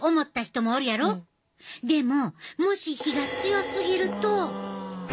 でももし火が強すぎると。